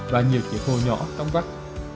và nhiều chỉ khô nhỏ trong vắt